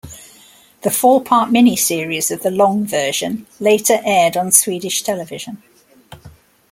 The four-part miniseries of the long version later aired on Swedish television.